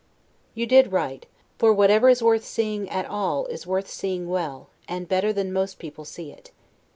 You did right, for whatever is worth seeing at, all, is worth seeing well, and better than most people see it.